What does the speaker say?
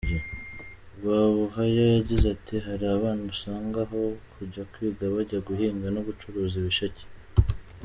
Rwabuhaya yagize ati “Hari abana usanga aho kujya kwiga bajya guhinga no gucuruza ibisheke.